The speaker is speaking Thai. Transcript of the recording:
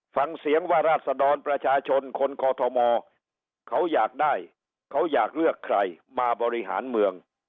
ฟังเสียงว่าราศดรประชาชนคนกอทมเขาอยากได้เขาอยากเลือกใครมาบริหารเมือง